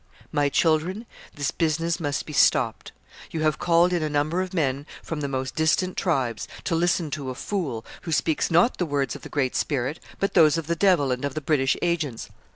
My children, this business must be stopped. You have called in a number of men from the most distant tribes, to listen to a fool, who speaks not the words of the Great Spirit, but those of the devil and of the British agents.